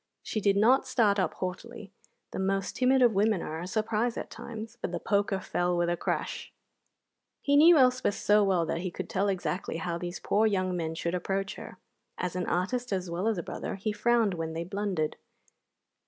She did not start up haughtily (the most timid of women are a surprise at times), but the poker fell with a crash. He knew Elspeth so well that he could tell exactly how these poor young men should approach her. As an artist as well as a brother, he frowned when they blundered.